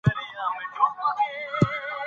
زه هڅه کوم چې ډیوډرنټ په سمه توګه وکاروم.